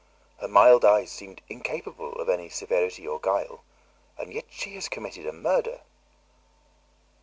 Her mild eyes seemed incapable of any severity or guile, and yet she has committed a murder."